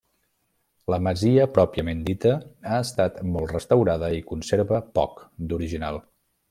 La masia pròpiament dita ha estat molt restaurada i conserva poc d'original.